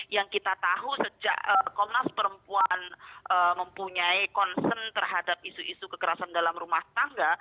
yang kita tahu sejak komnas perempuan mempunyai concern terhadap isu isu kekerasan dalam rumah tangga